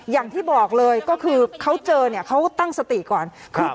อย่างที่บอกเลยก็คือเขาเจอเนี่ยเขาตั้งสติก่อน